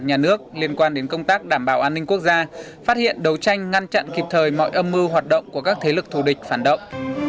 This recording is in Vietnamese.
nhà nước liên quan đến công tác đảm bảo an ninh quốc gia phát hiện đấu tranh ngăn chặn kịp thời mọi âm mưu hoạt động của các thế lực thù địch phản động